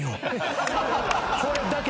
これだけ。